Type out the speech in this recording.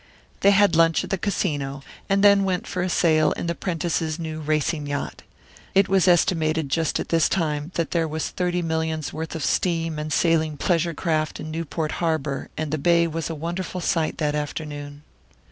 They had lunch at the Casino, and then went for a sail in the Prentices' new racing yacht. It was estimated just at this time that there was thirty millions' worth of steam and sailing pleasure craft in Newport harbour, and the bay was a wonderful sight that afternoon.